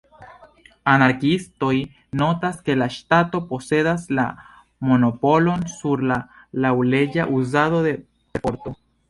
Anarkiistoj notas ke la ŝtato posedas la monopolon sur la laŭleĝa uzado de perforto.